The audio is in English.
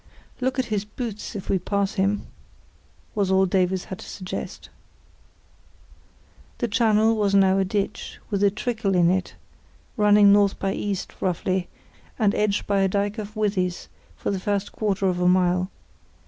"Look at his boots if we pass him," was all Davies had to suggest. The channel was now a ditch, with a trickle in it, running north by east, roughly, and edged by a dyke of withies for the first quarter of a mile.